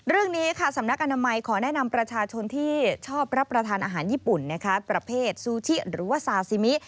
เรื่องนี้ค่ะสำนักอนามัยขอแนะนำประชาชนที่ชอบรับประทานอาหารญี่ปุ่นประเภทซูชิหรือว่าซาซิมิ